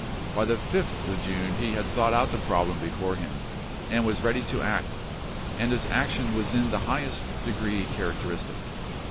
By the 5th of June he had thought out the problem before him, and was ready to act, and his action was in the highest degree characteristic.